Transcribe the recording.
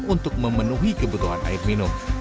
untuk memenuhi kebutuhan air minum